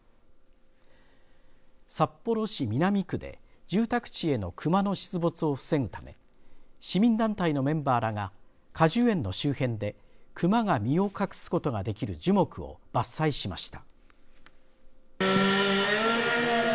札幌市南区で住宅地への熊の出没を防ぐため市民団体のメンバーらが果樹園の周辺で熊が身を隠すことができる樹木を伐採しました。